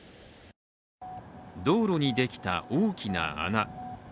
道路にできた大きな穴。